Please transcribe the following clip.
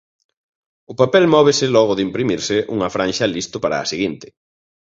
O papel móvese logo de imprimirse unha franxa listo para a seguinte.